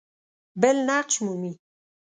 بل نقش مومي.